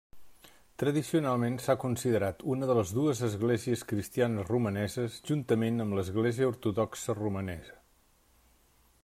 Tradicionalment s'ha considerat una de les dues esglésies cristianes romaneses juntament amb l'Església Ortodoxa Romanesa.